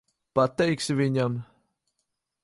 Pateiksi viņam?